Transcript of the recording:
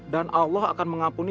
dan allah akan mengampuni